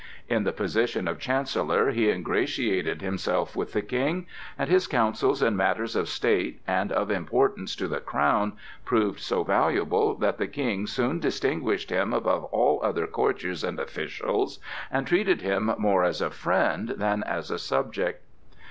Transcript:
In the position of Chancellor he ingratiated himself with the King, and his counsels in matters of State and of importance to the crown proved so valuable that the King soon distinguished him above all other courtiers and officials, and treated him more as a friend than as a subject.